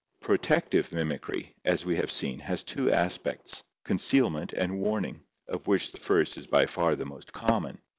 Protective mimicry, as we have seen, has two aspects, conceal ment and warning, of which the first is by far the most common.